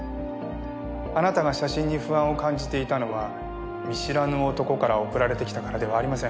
あなたが写真に不安を感じていたのは見知らぬ男から送られてきたからではありません。